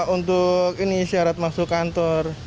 untuk ini syarat masuk kantor